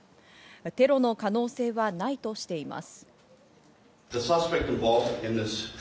テロの可能性はないとしています。